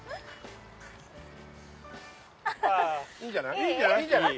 いいんじゃない？